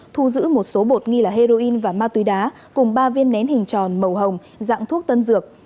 thu giữ một số bột nghi là heroin và ma túy đá cùng ba viên nén hình tròn màu hồng dạng thuốc tân dược